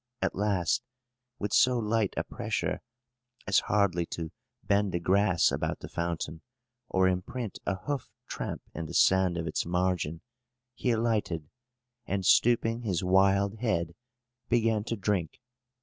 At last, with so light a pressure as hardly to bend the grass about the fountain, or imprint a hoof tramp in the sand of its margin, he alighted, and, stooping his wild head, began to drink.